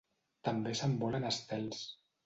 També s'envolen estels.